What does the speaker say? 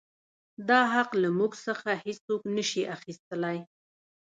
دا حـق لـه مـوږ څـخـه هـېڅوک نـه شـي اخيـستلى.